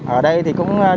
ở đây thì cũng rất chiếc